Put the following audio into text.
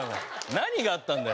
何があったんだよ？